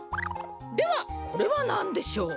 ではこれはなんでしょう？